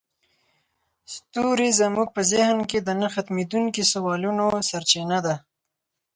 ستوري زموږ په ذهن کې د نه ختمیدونکي سوالونو سرچینه ده.